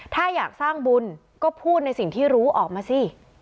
ถ้าอยากสร้างบุญก็พูดในสิ่งที่รู้ออกมาสิ